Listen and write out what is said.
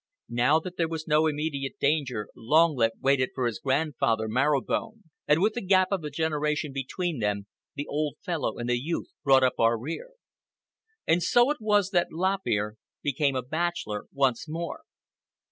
Now that there was no immediate danger, Long Lip waited for his grand father, Marrow Bone; and with the gap of a generation between them, the old fellow and the youth brought up our rear. And so it was that Lop Ear became a bachelor once more.